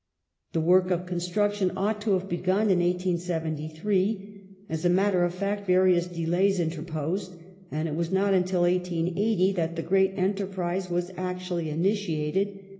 The work of construction ought to have begun in 1873. As a matter of fact various delays interposed, and it was not until 1880 that the great enterprise was actually initiated.